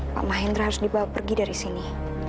pak mahendra harus dibawa pergi dari sini